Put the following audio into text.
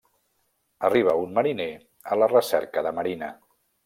Arriba un mariner a la recerca de Marina.